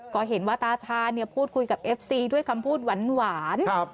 ก็เห็นว่าตาชาเนี่ยพูดคุยกับเอฟซีด้วยคำพูดหวาน